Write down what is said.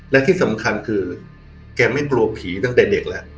และที่สำคัญคือแกไม่กลัวผีตั้งแต่เด็กแล้ว